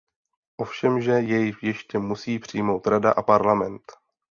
Ovšemže jej ještě musí přijmout Rada a Parlament.